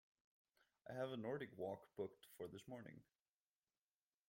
I have a Nordic walk booked for this morning.